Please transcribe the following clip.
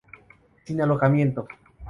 Sin alojamiento.